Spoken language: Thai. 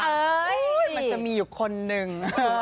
มันจะมีอยู่คนนึง